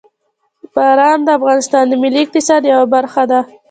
باران د افغانستان د ملي اقتصاد یوه برخه ده.